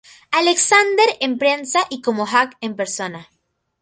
Alexander en prensa y como Hugh en persona.